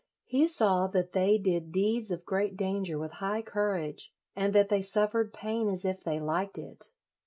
He saw that they did deeds of great danger with high courage, and that they suffered pain as if they liked it.